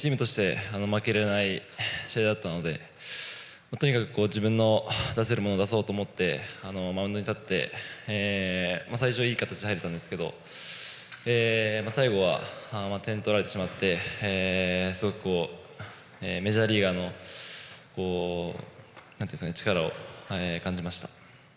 チームとして負けられない試合だったのでとにかく自分の出せるものを出そうと思ってマウンドに立って最初いい形で入れたんですけど最後は点を取られてしまってすごくメジャーリーガーの力を感じました。